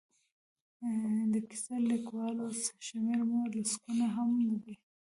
د کیسه لیکوالو شمېر مو لسګونه هم نه دی.